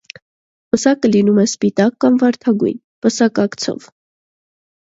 Պսակը լինում է սպիտակ կամ վարդագույն, պսակակցով։